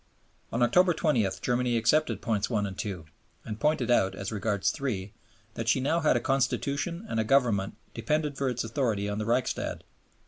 On October 20 Germany accepted points (1) and (2), and pointed out, as regards (3), that she now had a Constitution and a Government dependent for its authority on the Reichstag.